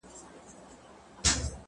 که هوا ښه وي، سفر به وکړو.